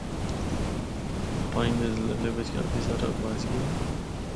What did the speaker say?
پنج دے زلزلے بچ بھی کافی سارا بہج گیا۔